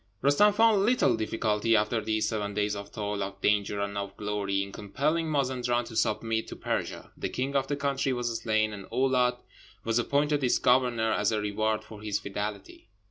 Roostem found little difficulty after these seven days of toil, of danger, and of glory, in compelling Mazenderan to submit to Persia. The king of the country was slain, and Oulâd was appointed its governor as a reward for his fidelity.